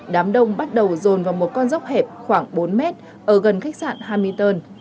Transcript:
đám đông bắt đầu rồn vào một con dốc hẹp khoảng bốn m ở gần khách sạn hamilton